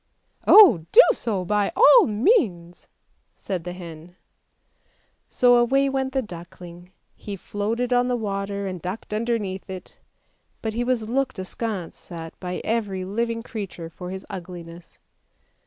" Oh, do so by all means," said the hen. So away went the duckling, he floated on the water and ducked underneath it, but he was looked askance at by every living creature for his ugliness.